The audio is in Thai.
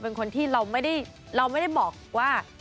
เป็นคนที่เราไม่ได้บอกว่า